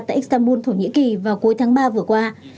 tại istanbul thổ nhĩ kỳ vào cuối tháng ba vừa qua